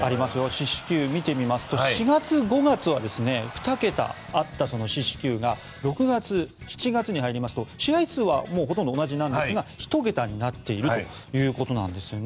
四死球を見てみますと４月、５月は２桁あったその四死球が６月、７月に入りますと試合数はほとんど同じですが１桁になっているということなんですね。